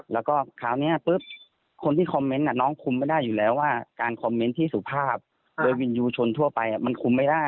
แล้วก็คราวนี้ปุ๊บคนที่คอมเมนต์น้องคุมไม่ได้อยู่แล้วว่าการคอมเมนต์ที่สุภาพโดยวินยูชนทั่วไปมันคุมไม่ได้